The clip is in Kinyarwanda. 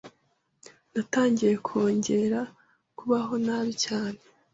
Natangiye kongera kubaho nabi cyane